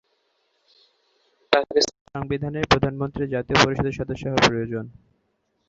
পাকিস্তানের সংবিধানে প্রধানমন্ত্রী জাতীয় পরিষদের সদস্য হওয়া প্রয়োজন।